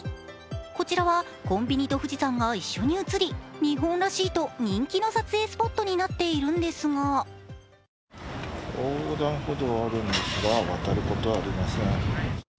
こちらはコンビニと富士山が一緒に映り日本らしいと人気の撮影スポットになっているんですが横断歩道あるんですが、渡ることはありません。